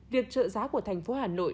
việc trợ giá của thành phố hà nội